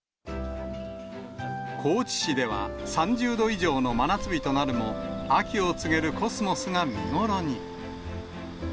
高知市では、３０度以上の真夏日となるも、秋を告げるコスモスが見頃に。